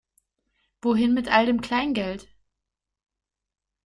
Wohin mit all dem Kleingeld?